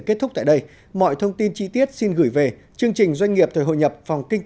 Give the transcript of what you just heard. gửi về đây mọi thông tin chi tiết xin gửi về chương trình doanh nghiệp thời hội nhập phòng kinh